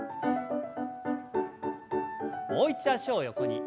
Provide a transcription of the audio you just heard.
もう一度脚を横に。